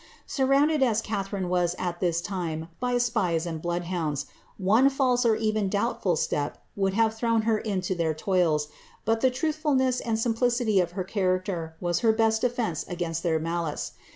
Surrounded as Ci* tharine was at this time by spies and bloodhounds, one felse or eveo doubtful step would have thrown her into their toils, but the truthful ness and simplicity of her character was her best defence against their malice.